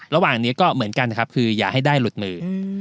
ระหว่างนี้ก็เหมือนกันครับคืออย่าให้ได้หลุดมือ